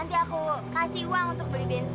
nanti aku kasih uang untuk beli bensin